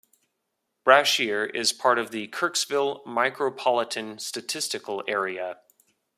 Brashear is part of the Kirksville Micropolitan Statistical Area.